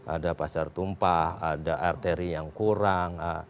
ada pasar tumpah ada arteri yang kurang